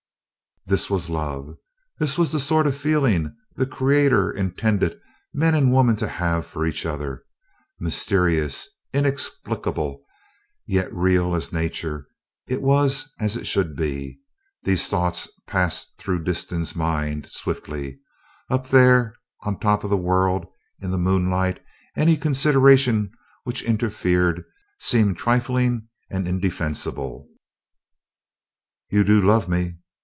This was love this was the sort of feeling the Creator intended men and women to have for each other mysterious, inexplicable, yet real as Nature. It was as it should be. These thoughts passed through Disston's mind swiftly. Up there on top of the world, in the moonlight, any consideration which interfered seemed trifling and indefensible. "You do love me?"